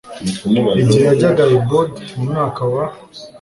igihe yajyaga i bod mu mwaka wa